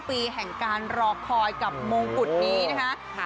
ปีแห่งการรอคอยกับมงกุฎนี้นะคะ